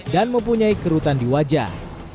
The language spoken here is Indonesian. dan mempunyai kerutan di wajah